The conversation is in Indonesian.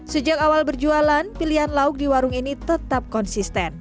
sejak awal berjualan pilihan lauk di warung ini tetap konsisten